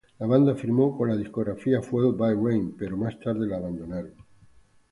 La banda firmó con la discográfica Fueled By Ramen, pero más tarde lo abandonaron.